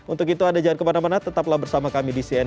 untuk itu anda jangan kemana mana tetaplah bersama kami di cnn